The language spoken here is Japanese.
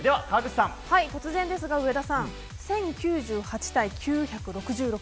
突然ですが、上田さん１０９８対９６６